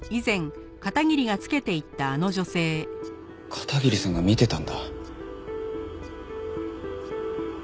片桐さんが見てたんだ。